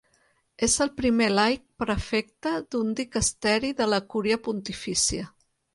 És el primer laic prefecte d'un dicasteri de la Cúria Pontifícia.